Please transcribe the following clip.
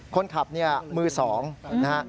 คนขับมือ๒นะฮะ